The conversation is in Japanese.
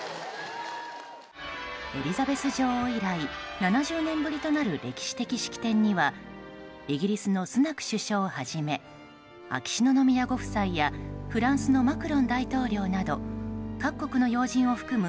エリザベス女王以来７０年ぶりとなる歴史的式典にはイギリスのスナク首相はじめ秋篠宮ご夫妻やフランスのマクロン大統領など各国の要人を含む